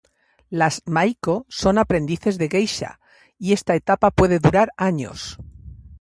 Las "maiko" son aprendices de geisha, y esta etapa puede durar años.